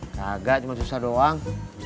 kagak cuma susah doang